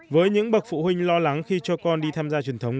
với những bậc phụ huynh lo lắng khi cho con đi tham gia truyền thống